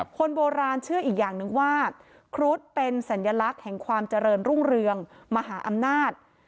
คนโบราณเชื่ออีกอย่างหนึ่งว่าครุฑเป็นสัญลักษณ์แห่งความเจริญรุ่งเรืองมหาอำนาจ